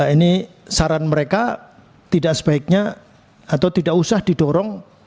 ini saran mereka tidak sebaiknya atau tidak usah didorong